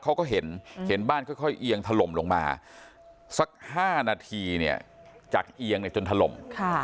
เขาก็เห็นเห็นบ้านค่อยเอียงถล่มลงมาสัก๕นาทีเนี่ยจากเอียงจนถล่ม